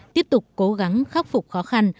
tiếp tục cố gắng khắc phục khó khăn